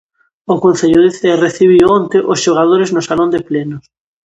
O concello de Cee recibiu onte os xogadores no salón de plenos.